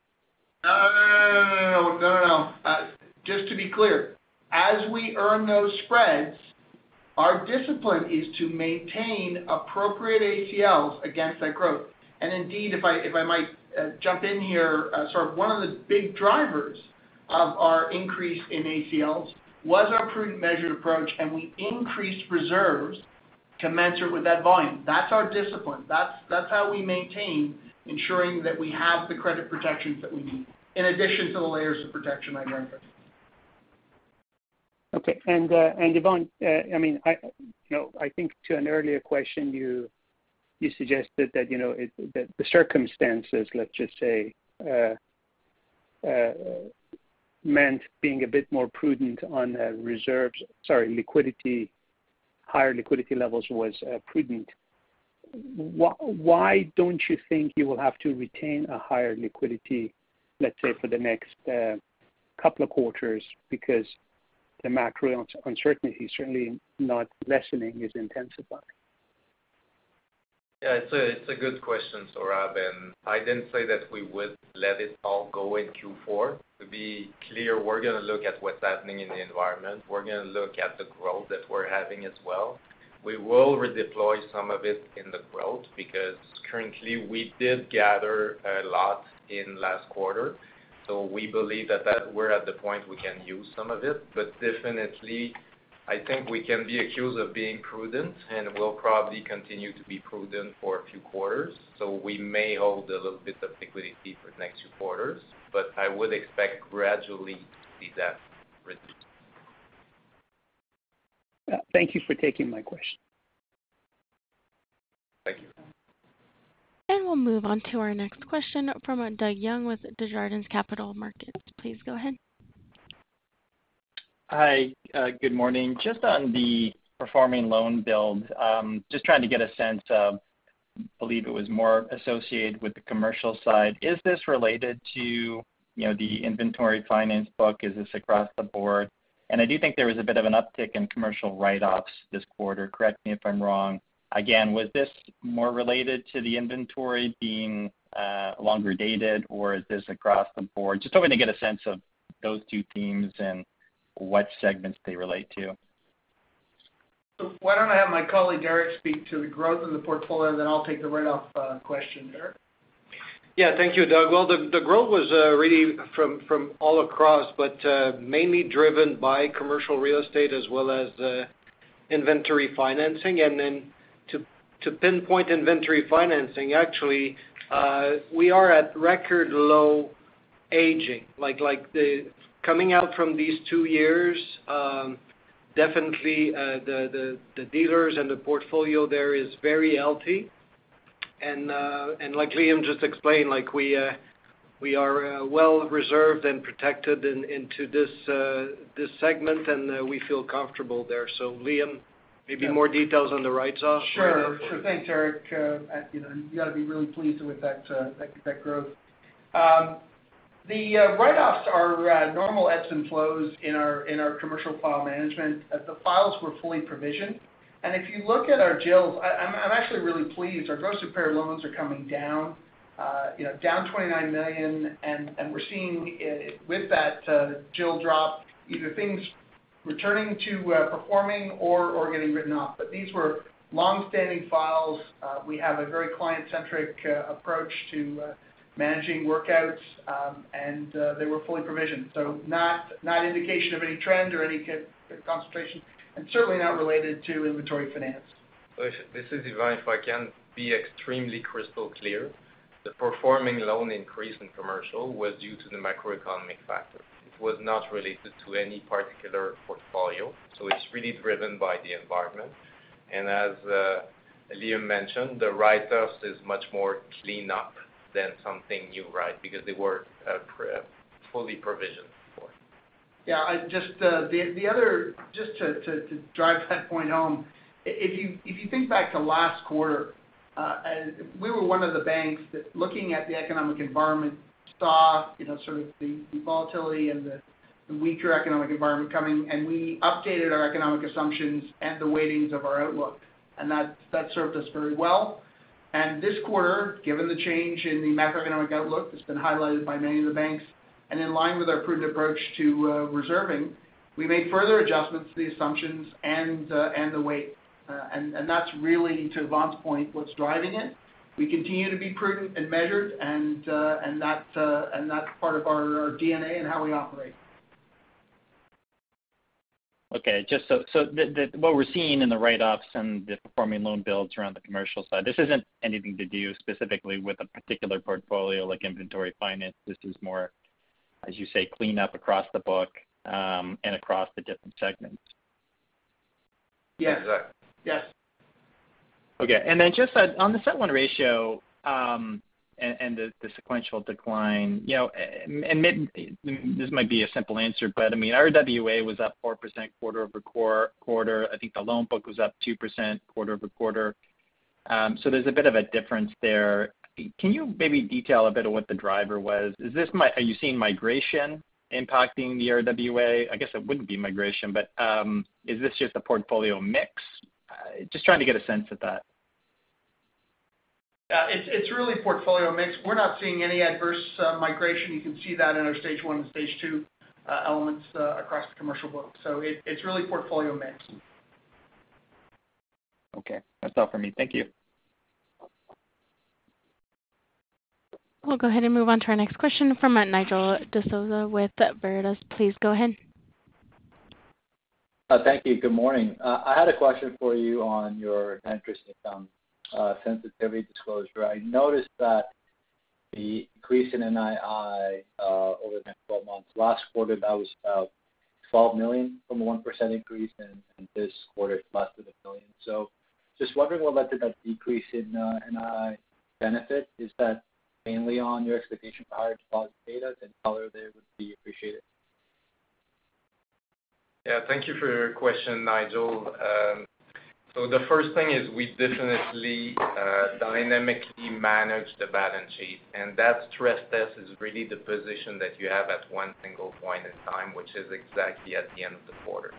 No. Just to be clear, as we earn those spreads, our discipline is to maintain appropriate ACLs against that growth. Indeed, if I might, jump in here, sort of one of the big drivers of our increase in ACLs was our prudent measured approach, and we increased reserves to match with that volume. That's our discipline. That's how we maintain ensuring that we have the credit protections that we need, in addition to the layers of protection I mentioned. Okay. Yvon, I mean, you know, I think to an earlier question you suggested that, you know, that the circumstances, let's just say, meant being a bit more prudent on liquidity, higher liquidity levels was prudent. Why don't you think you will have to retain a higher liquidity, let's say, for the next couple of quarters because the macro uncertainty is certainly not lessening, it's intensifying? Yeah. It's a good question, Sohrab. I didn't say that we would let it all go in Q4. To be clear, we're gonna look at what's happening in the environment. We're gonna look at the growth that we're having as well. We will redeploy some of it in the growth because currently we did gather a lot in last quarter. We believe that we're at the point we can use some of it. But definitely I think we can be accused of being prudent, and we'll probably continue to be prudent for a few quarters. We may hold a little bit of liquidity for the next few quarters, but I would expect gradually to see that reduced. Yeah. Thank you for taking my question. Thank you. We'll move on to our next question from Doug Young with Desjardins Capital Markets. Please go ahead. Hi, good morning. Just on the performing loan build, just trying to get a sense of, believe it was more associated with the commercial side. Is this related to, you know, the inventory financing book? Is this across the board? I do think there was a bit of an uptick in commercial write-offs this quarter, correct me if I'm wrong. Again, was this more related to the inventory being longer dated, or is this across the board? Just hoping to get a sense of those two themes and what segments they relate to. Why don't I have my colleague, Éric, speak to the growth in the portfolio, and then I'll take the write-off question. Éric? Yeah. Thank you, Doug. Well, the growth was really from all across, but mainly driven by commercial real estate as well as inventory financing. Then to pinpoint inventory financing, actually we are at record low aging. Coming out from these two years, definitely the dealers and the portfolio there is very healthy. Like Liam just explained, like we are well reserved and protected in this segment, and we feel comfortable there. Liam, maybe more details on the write-offs. Sure. Thanks, Éric. You know, you gotta be really pleased with that growth. The write-offs are normal ebbs and flows in our commercial file management. The files were fully provisioned. If you look at our GILs, I'm actually really pleased. Our gross impaired loans are coming down, you know, down 29 million. We're seeing with that GIL drop, either things returning to performing or getting written off. These were long-standing files. We have a very client-centric approach to managing workouts. They were fully provisioned, so not indication of any trend or any concentration, and certainly not related to inventory financing. This is Yvan. If I can be extremely crystal clear, the performing loan increase in commercial was due to the macroeconomic factors. It was not related to any particular portfolio, so it's really driven by the environment. As Liam mentioned, the write-offs is much more cleanup than something new, right? Because they were pre- fully provisioned for. Yeah. I just to drive that point home, if you think back to last quarter, we were one of the banks that, looking at the economic environment, saw, you know, sort of the volatility and the weaker economic environment coming, and we updated our economic assumptions and the weightings of our outlook. That served us very well. This quarter, given the change in the macroeconomic outlook that's been highlighted by many of the banks, and in line with our prudent approach to reserving, we made further adjustments to the assumptions and the weight. That's really, to Yvan's point, what's driving it. We continue to be prudent and measured, and that's part of our DNA and how we operate. What we're seeing in the write-offs and the performing loan builds around the commercial side, this isn't anything to do specifically with a particular portfolio like inventory financing. This is more, as you say, cleanup across the book, and across the different segments. Yes. Exactly. Yes. Okay. Just on the CET1 ratio and the sequential decline, you know. This might be a simple answer, but I mean, RWA was up 4% quarter-over-quarter. I think the loan book was up 2% quarter-over-quarter. So, there's a bit of a difference there. Can you maybe detail a bit of what the driver was? Are you seeing migration impacting the RWA? I guess it wouldn't be migration, but is this just a portfolio mix? Just trying to get a sense of that. Yeah. It's really portfolio mix. We're not seeing any adverse migration. You can see that in our stage one and stage two elements across the commercial book. It's really portfolio mix. Okay. That's all for me. Thank you. We'll go ahead and move on to our next question from, Nigel D'Souza with Veritas. Please go ahead. Thank you. Good morning. I had a question for you on your interest income sensitivity disclosure. I noticed that the increase in NII over the 12 months last quarter was about 12 million from a 1% increase, and this quarter it's less than 1 billion. Just wondering what led to that decrease in NII benefit. Is that mainly on your expectation for higher deposit betas? Color there would be appreciated. Yeah. Thank you for your question, Nigel. The first thing is we definitely dynamically manage the balance sheet, and that stress test is really the position that you have at one single point in time, which is exactly at the end of the quarter.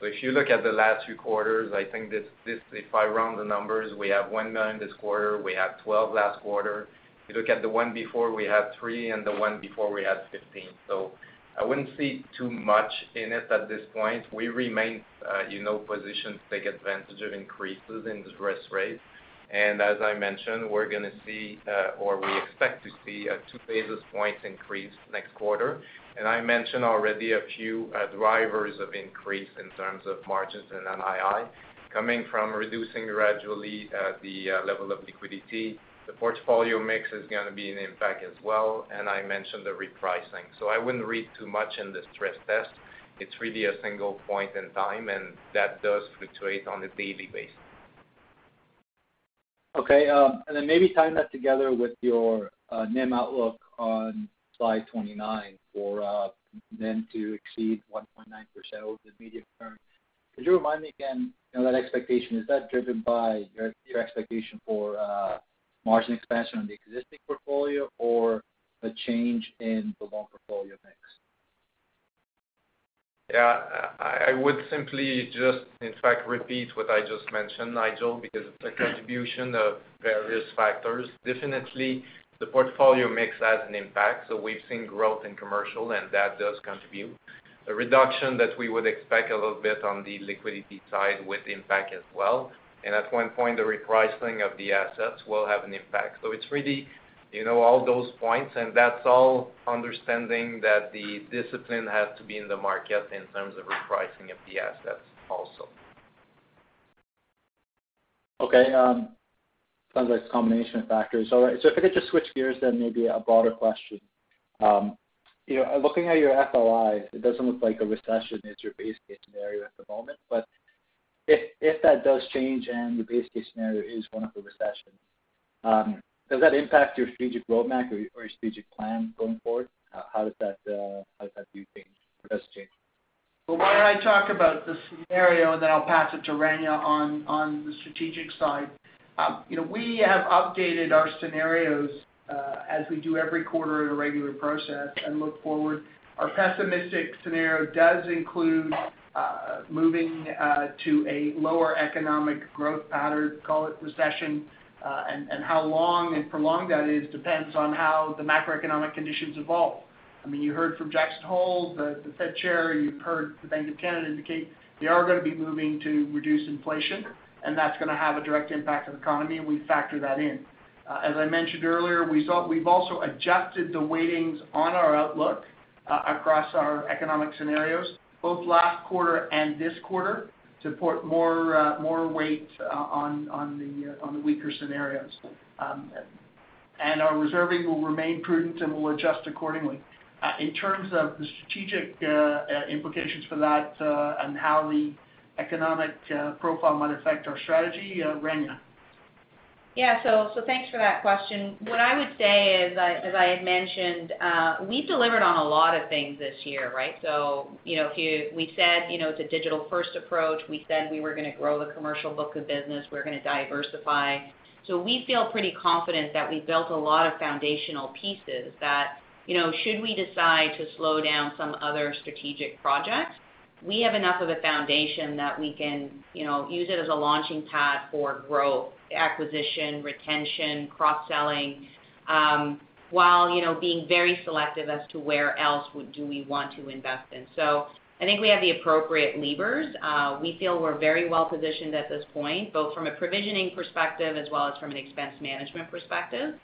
If you look at the last two quarters, I think this if I run the numbers, we have 1 million this quarter, we had 12 last quarter. If you look at the one before, we had three, and the one before we had 15. I wouldn't see too much in it at this point. We remain you know positioned to take advantage of increases in interest rates. And as I mentioned, we're gonna see or we expect to see a 2 basis points increase next quarter. I mentioned already a few drivers of increase in terms of margins in NII coming from reducing gradually the level of liquidity. The portfolio mix is gonna be an impact as well, and I mentioned the repricing. I wouldn't read too much in the stress test. It's really a single point in time, and that does fluctuate on a daily basis. Maybe tying that together with your NIM outlook on slide 29 for NIM to exceed 1.9% over the immediate term. Could you remind me again that expectation, is that driven by your expectation for margin expansion on the existing portfolio or a change in the loan portfolio mix? Yeah. I would simply just, in fact, repeat what I just mentioned, Nigel, because it's a contribution of various factors. Definitely the portfolio mix has an impact. We've seen growth in commercial, and that does contribute. The reduction that we would expect a little bit on the liquidity side would impact as well. At one point, the repricing of the assets will have an impact. It's really, you know, all those points, and that's all understanding that the discipline has to be in the market in terms of repricing of the assets also. Okay. Sounds like it's a combination of factors. All right. If I could just switch gears then, maybe a broader question. You know, looking at your FOI, it doesn't look like a recession is your base case scenario at the moment. If that does change and your base case scenario is one of a recession, does that impact your strategic roadmap or your strategic plan going forward? How does that, do you think, if that does change? Well, why don't I talk about the scenario, and then I'll pass it to Rania on the strategic side. You know, we have updated our scenarios as we do every quarter in a regular process and look forward. Our pessimistic scenario does include moving to a lower economic growth pattern, call it recession. How long and prolonged that is depends on how the macroeconomic conditions evolve. I mean, you heard from Jackson Hole, the Fed chair, you've heard the Bank of Canada indicate they are gonna be moving to reduce inflation, and that's gonna have a direct impact on the economy, and we factor that in. As I mentioned earlier, we've also adjusted the weightings on our outlook across our economic scenarios, both last quarter and this quarter, to put more weight on the weaker scenarios. Our reserving will remain prudent, and we'll adjust accordingly. In terms of the strategic implications for that, and how the economic profile might affect our strategy, Rania. Yeah. Thanks for that question. What I would say is, as I had mentioned, we've delivered on a lot of things this year, right? You know, we said, you know, it's a digital-first approach. We said we were gonna grow the commercial book of business. We're gonna diversify. We feel pretty confident that we built a lot of foundational pieces that, you know, should we decide to slow down some other strategic projects, we have enough of a foundation that we can, you know, use it as a launching pad for growth, acquisition, retention, cross-selling, while, you know, being very selective as to where else do we want to invest in. I think we have the appropriate levers. We feel we're very well positioned at this point, both from a provisioning perspective as well as from an expense management perspective.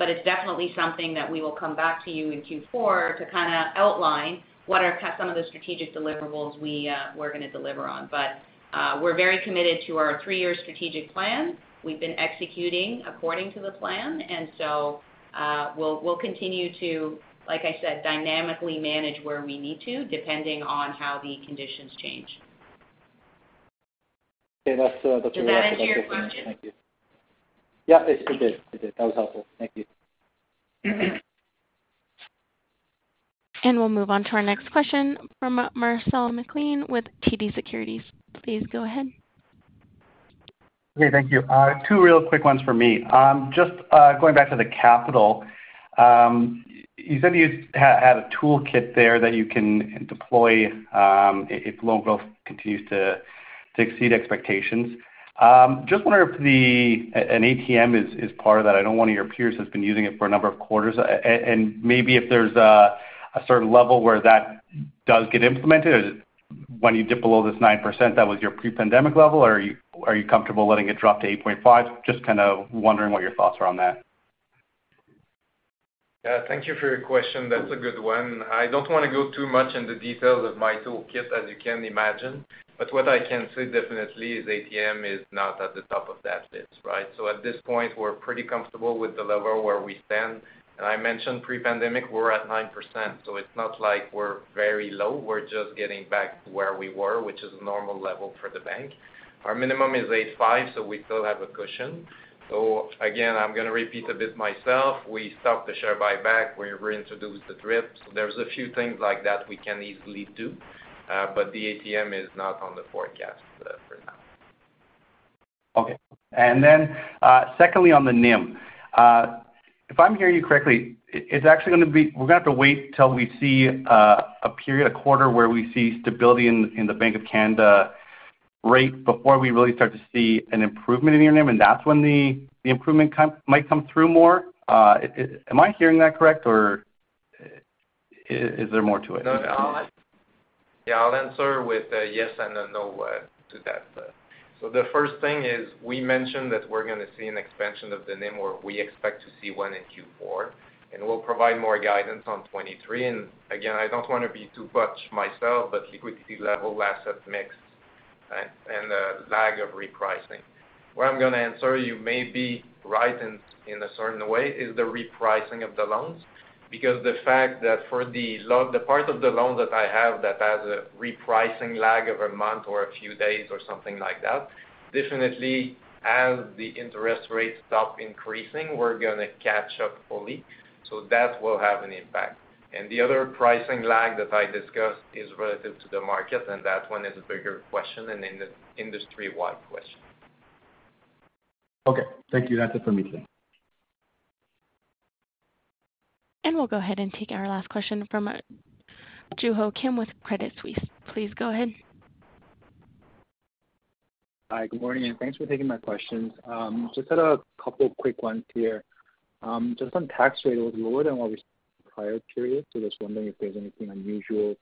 It's definitely something that we will come back to you in Q4 to kinda outline what are some of the strategic deliverables we're gonna deliver on. We're very committed to our three-year strategic plan. We've been executing according to the plan. We'll continue to, like I said, dynamically manage where we need to, depending on how the conditions change. Okay. That's what I was looking for. Thank you. Does that answer your question? Yeah. It did. That was helpful. Thank you. We'll move on to our next question from Mario Mendonca with TD Securities. Please go ahead. Okay. Thank you. Two real quick ones for me. Just going back to the capital, you said you had a toolkit there that you can deploy, if loan growth continues to exceed expectations. Just wonder if an ATM is part of that. I know one of your peers has been using it for a number of quarters. Maybe if there's a certain level where that does get implemented. When you dip below this 9%, that was your pre-pandemic level, or are you comfortable letting it drop to 8.5%? Just kind of wondering what your thoughts are on that. Yeah. Thank you for your question. That's a good one. I don't wanna go too much in the details of my toolkit, as you can imagine. What I can say definitely is ATM is not at the top of that list, right? At this point, we're pretty comfortable with the level where we stand. I mentioned pre-pandemic, we're at 9%, so it's not like we're very low. We're just getting back to where we were, which is a normal level for the bank. Our minimum is 8.5, so we still have a cushion. Again, I'm gonna repeat a bit myself. We stopped the share buyback. We reintroduced the DRIPs. There're a few things like that we can easily do, but the ATM is not on the forecast for now. Okay. Secondly, on the NIM. If I'm hearing you correctly, it's actually gonna be we're gonna have to wait till we see a period, a quarter where we see stability in the Bank of Canada rate before we really start to see an improvement in your NIM, and that's when the improvement might come through more. Am I hearing that correct, or is there more to it? No, I'll answer. Yeah, I'll answer with a yes and a no to that. The first thing is we mentioned that we're gonna see an expansion of the NIM, or we expect to see one in Q4, and we'll provide more guidance on 2023. Again, I don't wanna be too much myself, but liquidity level, asset mix, and the lag of repricing. What I'm gonna answer you may be right in a certain way is the repricing of the loans, because the fact that for the loan, the part of the loan that I have that has a repricing lag of a month or a few days or something like that, definitely as the interest rates stop increasing, we're gonna catch up fully. That will have an impact. The other pricing lag that I discussed is relative to the market, and that one is a bigger question and an industry-wide question. Okay. Thank you. That's it for me then. We'll go ahead and take our last question from Joo Ho Kim with Credit Suisse. Please go ahead. Hi, good morning, and thanks for taking my questions. Just had a couple quick ones here. Just on tax rate, it was lower than the prior period, so just wondering if there's anything unusual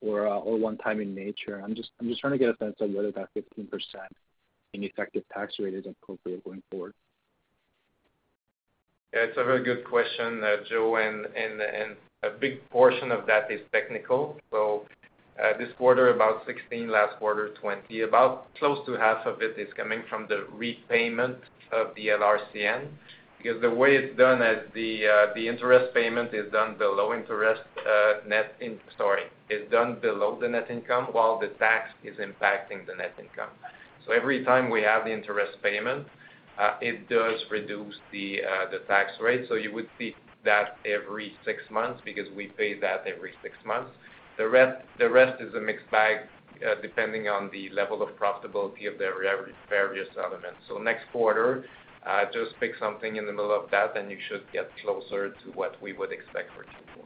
or one-time in nature. I'm just trying to get a sense of whether that 15% effective tax rate is appropriate going forward. It's a very good question, Joo Ho Kim, and a big portion of that is technical. This quarter about 16, last quarter 20, about close to half of it is coming from the repayment of the LRCN. Because the way it's done is the interest payment is done below the net income while the tax is impacting the net income. Every time we have the interest payment, it does reduce the tax rate. You would see that every six months because we pay that every six months. The rest is a mixed bag, depending on the level of profitability of the various elements. Next quarter, just pick something in the middle of that, and you should get closer to what we would expect for Q4.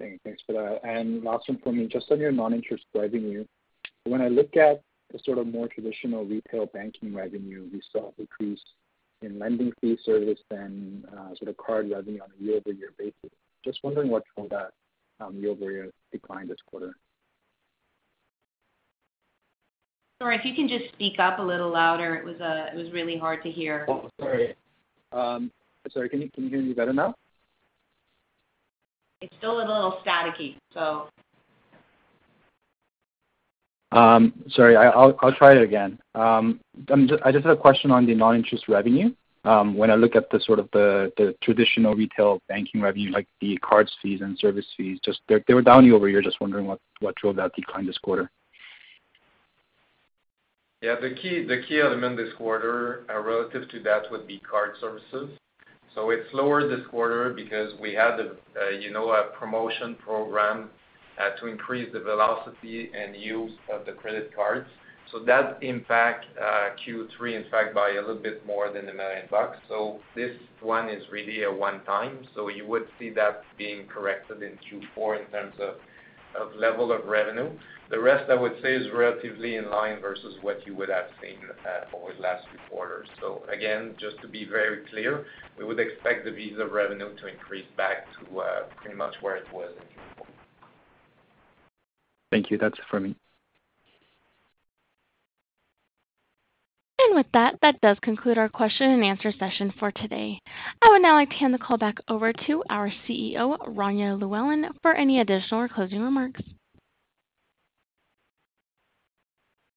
Okay, thanks for that. Last one for me, just on your non-interest revenue. When I look at the sort of more traditional retail banking revenue, we saw a decrease in lending fees, services, and sort of card revenue on a year-over-year basis. Just wondering what drove that, year-over-year decline this quarter. Sorry, if you can just speak up a little louder, it was really hard to hear. Oh, sorry, can you hear me better now? It's still a little staticky, so. Sorry, I'll try it again. I just have a question on the non-interest revenue. When I look at the traditional retail banking revenue like the card fees and service fees, just they were down year-over-year. Just wondering what drove that decline this quarter. Yeah, the key element this quarter relative to that would be card services. It's lower this quarter because we had, you know, a promotion program to increase the velocity and use of the credit cards. That impact Q3 in fact by a little bit more than 1 million. This one is really a one-time. You would see that being corrected in Q4 in terms of level of revenue. The rest I would say is relatively in line versus what you would have seen over the last few quarters. Again, just to be very clear, we would expect the Visa revenue to increase back to pretty much where it was in Q4. Thank you. That's it for me. With that does conclude our question-and-answer session for today. I would now like to hand the call back over to our CEO, Rania Llewellyn, for any additional or closing remarks.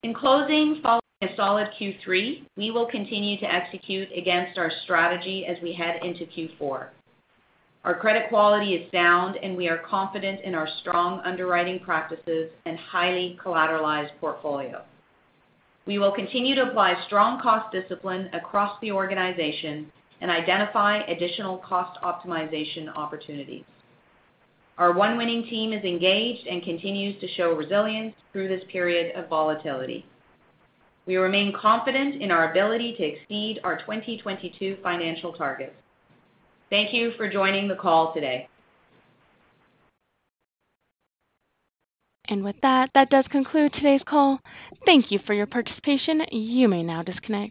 In closing, following a solid Q3, we will continue to execute against our strategy as we head into Q4. Our credit quality is sound, and we are confident in our strong underwriting practices and highly collateralized portfolio. We will continue to apply strong cost discipline across the organization and identify additional cost optimization opportunities. Our one winning team is engaged and continues to show resilience through this period of volatility. We remain confident in our ability to exceed our 2022 financial targets. Thank you for joining the call today. With that does conclude today's call. Thank you for your participation. You may now disconnect.